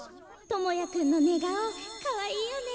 智也くんのねがおかわいいよね。